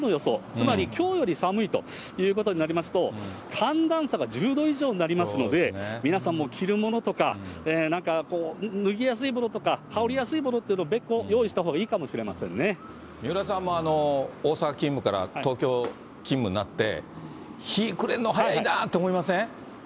つまり、きょうより寒いということになりますと、寒暖差が１０度以上になりますので、皆さんもう着るものとか、なんかこう、脱ぎやすいものとか、羽織りやすいものとかいうものを別個用意したほうがいいかもしれ三浦さんも大阪勤務から東京勤務になって、日暮れるの早いなって思いません？